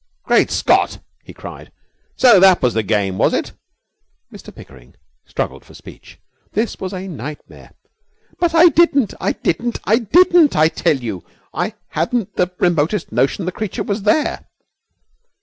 'Great Scot!' he cried. 'So that was the game, was it?' Mr Pickering struggled for speech. This was a nightmare. 'But I didn't! I didn't! I didn't! I tell you I hadn't the remotest notion the creature was there.'